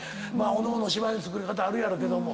おのおの芝居の作り方あるやろうけども。